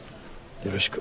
よろしく。